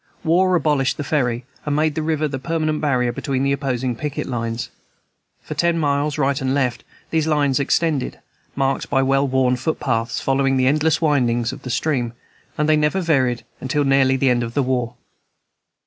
War abolished the ferry, and made the river the permanent barrier between the opposing picket lines. For ten miles, right and left, these lines extended, marked by well worn footpaths, following the endless windings of the stream; and they never varied until nearly the end of the war.